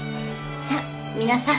さあ皆さん